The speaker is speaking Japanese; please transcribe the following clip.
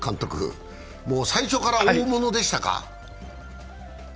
もう最初から大物でしたか？